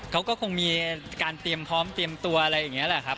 เขาก็คงมีการเตรียมพร้อมเตรียมตัวอะไรอย่างนี้แหละครับ